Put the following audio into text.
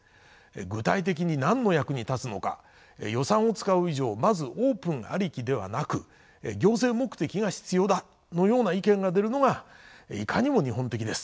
具体的に何の役に立つのか予算を使う以上まずオープンありきではなく行政目的が必要だのような意見が出るのがいかにも日本的です。